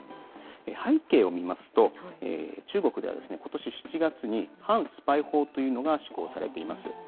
背景を見ますと、中国ではことし７月に反スパイ法というのが施行されています。